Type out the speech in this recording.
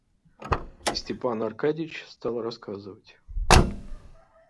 И Степан Аркадьич стал рассказывать.